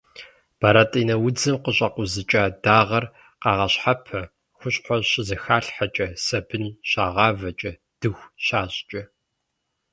Бэрэтӏинэ удзым къыщӏакъузыкӏа дагъэр къагъэщхьэпэ хущхъуэ щызэхалъхьэкӏэ, сабын щагъавэкӏэ, дыху щащӏкӏэ.